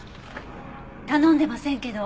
頼んでませんけど。